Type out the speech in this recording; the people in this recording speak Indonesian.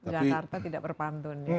jakarta tidak berpantun ya